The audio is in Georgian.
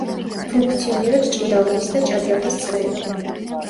ფუნქციონირებს ჭიდაობის და ჭადრაკის წრეები.